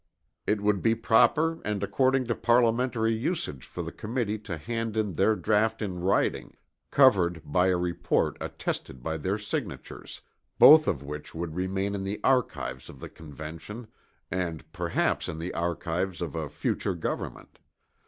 It would be proper and according to parliamentary usage for the committee to hand in their draught in writing, covered by a report attested by their signatures, both of which would remain in the archives of the Convention and perhaps in the archives of a future government.